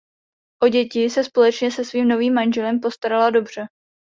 O děti se společně se svým novým manželem postarala dobře.